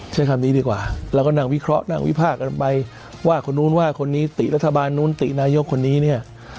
ใช้คำนี้ดีกว่าเราก็นั่งวิเคราะห์นั่งวิพากกันไปว่าคนนู้นว่าคนนี้ติรัฐบาลนู้นตินายกคนนี้เนี่ย